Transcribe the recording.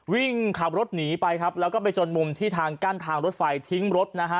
วิ่งขับรถหนีไปครับแล้วก็ไปจนมุมที่ทางกั้นทางรถไฟทิ้งรถนะฮะ